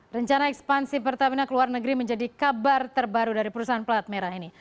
rencana ekspansi pertamina ke luar negeri menjadi kabar terbaru dari perusahaan pelat merah ini